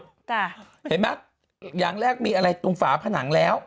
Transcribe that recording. เห็นไหมอย่างแรกมีอะไรตรงฝาผนังแล้ว